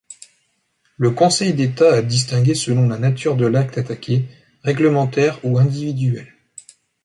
Le Conseil d'État a distingué selon la nature de l'acte attaqué, réglementaire ou individuel.